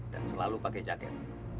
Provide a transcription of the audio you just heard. dan selalu pakai jaket